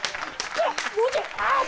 「あっ！